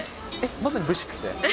まさにＶ６で？